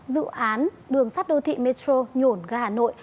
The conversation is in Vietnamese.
dự án đường sắt đô thị metro nhổn ga hà nội